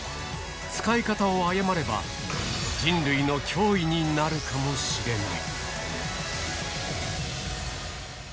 使い方を誤れば、人類の脅威になるかもしれない。